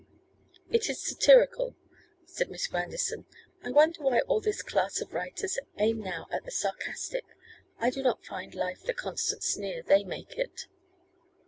'It is satirical,' said Miss Grandison; 'I wonder why all this class of writers aim now at the sarcastic. I do not find life the constant sneer they make it.